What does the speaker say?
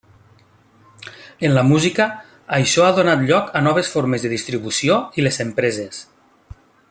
En la música, això ha donat lloc a noves formes de distribució i les empreses.